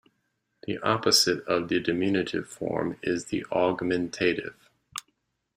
The opposite of the diminutive form is the augmentative.